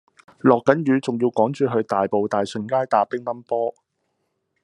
落緊雨仲要趕住去大埔大順街打乒乓波